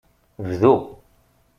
Bdu.